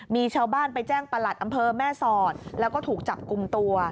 มีชาวบ้านไปแจ้งประหลัดอำเภอแม่สอดแล้วก็ถูกจับกลุ่มตัว